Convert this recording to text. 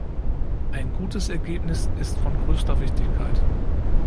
Ein gutes Ergebnis ist von größter Wichtigkeit!